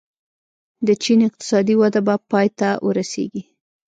د چین اقتصادي وده به پای ته ورسېږي.